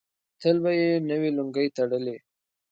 تل به یې نوې لونګۍ تړلې.